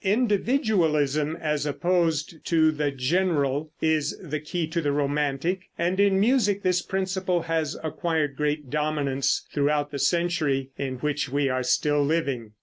Individualism, as opposed to the general, is the key to the romantic, and in music this principle has acquired great dominance throughout the century in which we are still living.